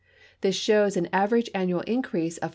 This shows an average animal increase of 4.